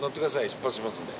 出発しますので。